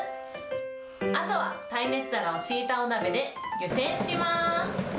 あとは耐熱皿を敷いたお鍋で湯せんします。